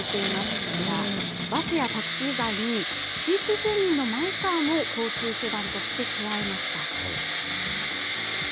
こちら、バスやタクシー以外に、地域住民のマイカーも交通手段として加えました。